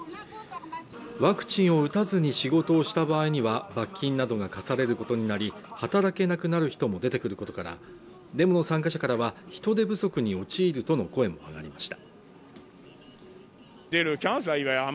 ワクチンを打たずに仕事をした場合には罰金などが科されることになり働けなくなる人も出てくることからデモの参加者からは人手不足に陥るとの声も上がりました